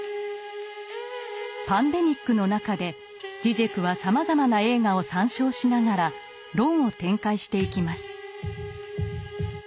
「パンデミック」の中でジジェクはさまざまな映画を参照しながら論を展開していきます。